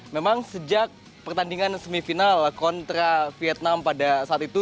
memang sejak pertandingan semifinal kontra vietnam pada saat itu